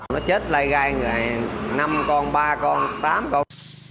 nó chết lây gai năm con ba con tám con